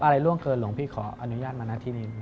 ร่วงเกินหลวงพี่ขออนุญาตมานัดที่นี่